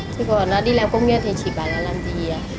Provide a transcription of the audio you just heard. chứ còn đi làm công nhân thì chỉ bảo là làm gì